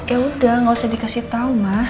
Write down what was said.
yaudah gak usah dikasih tau mah